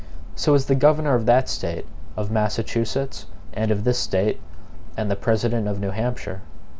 So is the governor of that State, of Massachusetts, and of this State, and the president of New Hampshire.